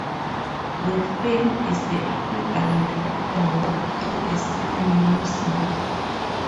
The film is the equivalent of a walk through a cinema museum.